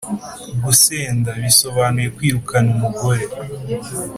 Gusenda:bisobanuye kwirukana umugore.